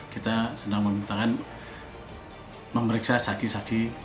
kita sedang memintakan memeriksa saksi saksi